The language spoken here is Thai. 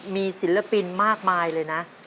มีศิลปินมากมายเลยนะ